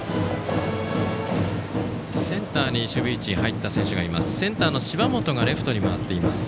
センターの守備位置に入った選手がいます。